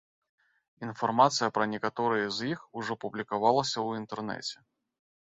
Інфармацыя пра некаторыя з іх ужо публікавалася ў інтэрнэце.